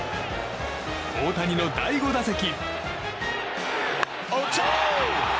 大谷の第５打席。